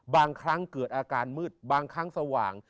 บางครั้งเกิดอาการมืดบางครั้งสว่าง